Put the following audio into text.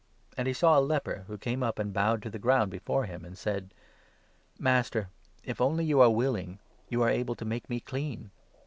And he saw a leper 2 who came up, and bowed to the ground before him, and said :" Master, if only you are willing, you are able to make me clean."